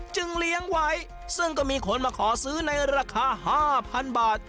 เลี้ยงไว้ซึ่งก็มีคนมาขอซื้อในราคา๕๐๐๐บาท